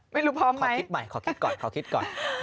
ไม่รู้พ่อขอคิดใหม่ขอคิดก่อนขอคิดก่อน